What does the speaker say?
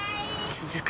続く